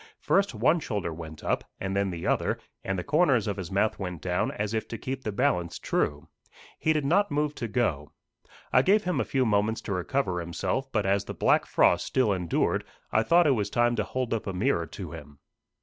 First one shoulder went up, and then the other, and the corners of his mouth went down, as if to keep the balance true. He did not move to go. I gave him a few moments to recover himself, but as the black frost still endured, I thought it was time to hold up a mirror to him.